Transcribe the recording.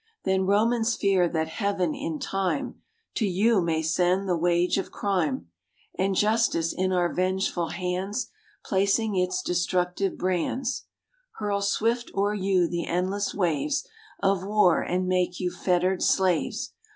Then, Romans, fear that Heaven, in time, To you may send the wage of crime, And justice, in our vengeful hands Placing its destructive brands, Hurl swift o'er you the endless waves Of war, and make you fettered slaves!